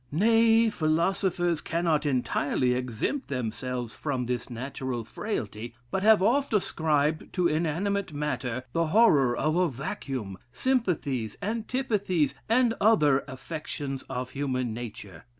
Nay, philosophers cannot entirely exempt themselves from this natural frailty; but have oft ascribed to inanimate matter the horror of a vacuum, sympathies, antipathies, and other affections of human nature.